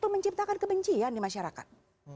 menciptakan kebencian di masyarakat